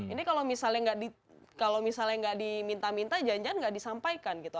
ini kalau misalnya nggak diminta minta janjian nggak disampaikan gitu